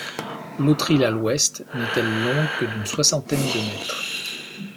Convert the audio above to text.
L'autre île à l'ouest n'est elle longue que d'une soixantaine de mètres.